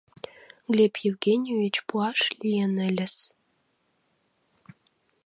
Глеб Евгеньевич пуаш лийын ыльыс...